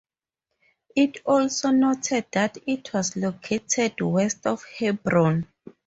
It also noted that it was located west of Hebron.